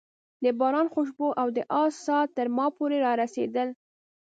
د باران خوشبو او د آس ساه تر ما پورې رارسېدل.